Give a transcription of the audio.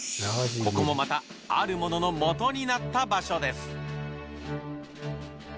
ここもまたあるもののモトになった場所です。